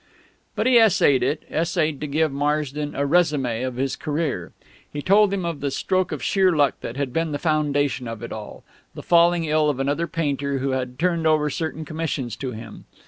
But he essayed it essayed to give Marsden a résumé of his career. He told him of the stroke of sheer luck that had been the foundation of it all, the falling ill of another painter who had turned over certain commissions to him.